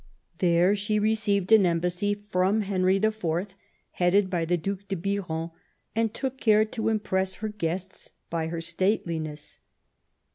There she received an embassy from Henry IV., headed by the Due de Biron, and took care to impress her guests by her stateliness.